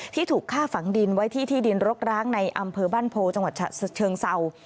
ถูกฆ่าฝังดินไว้ที่ที่ดินรกร้างในอำเภอบ้านโพจังหวัดเชิงเศร้า